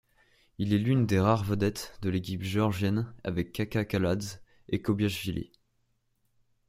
Il est l'une des rares vedettes de l'équipe géorgienne avec Kakha Kaladze et Kobiashvili.